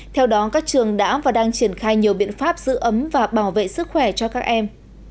theo đó các trường đã và đang triển khai nhiều biện pháp giữ ấm và bảo vệ sức khỏe cho các em